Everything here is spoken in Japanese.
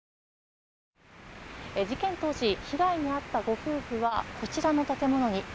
事件当時被害に遭ったご夫婦はこちらの建物に。